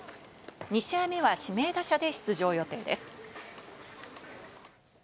２試合目は指名打者で出場予定です。